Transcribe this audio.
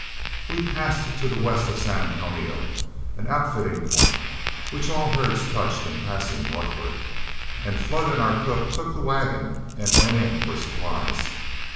We passed to the west of San Antonio an outfitting point which all herds touched in passing northward and Flood and our cook took the wagon and went in for supplies.